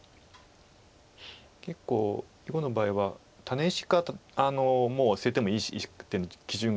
結構碁の場合はタネ石かもう捨ててもいい石基準が大事で。